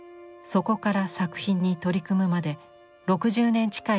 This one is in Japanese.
そこから作品に取り組むまで６０年近い歳月を要します。